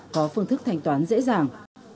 có phương thức thành toán dễ dàng